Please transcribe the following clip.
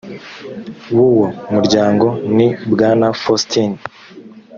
w uwo muryango ni bwana faustin